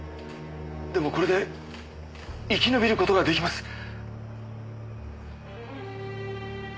でもこれで生き延びる事が出来ます。